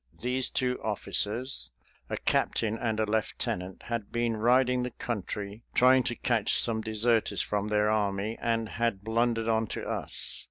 These two officers, a captain and a lieutenant, had been riding the country trying to catch some deserters from their army and had blundered on to us.